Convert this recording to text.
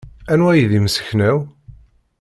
Anwa ay d imseknew?